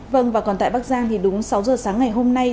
vâng và còn tại bắc giang thì đúng sáu giờ sáng ngày hôm nay